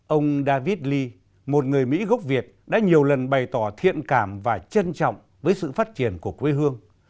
ông david lee một người mỹ gốc việt đã nhiều lần bày tỏ thiện cảm và trân trọng với sự phát triển của quê hương